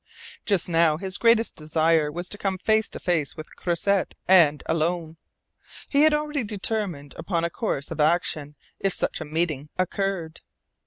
Just now his greatest desire was to come face to face with Croisset and alone. He had already determined upon a course of action if such a meeting occurred.